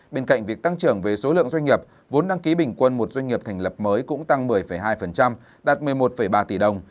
bên cạnh việc tăng trưởng về số lượng doanh nghiệp vốn đăng ký bình quân một doanh nghiệp thành lập mới cũng tăng một mươi hai đạt một mươi một ba tỷ đồng